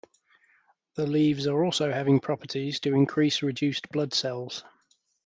The leaves are also having properties to increase reduced blood cells.